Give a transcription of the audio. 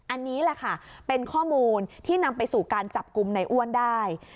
อันนี้แหละค่ะเป็นข้อมูลที่นำไปสู่การจับกลุ่มในอ้วนได้